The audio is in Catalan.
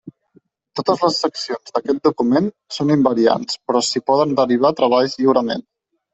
Totes les seccions d'aquest document són “invariants” però s'hi poden derivar treballs lliurement.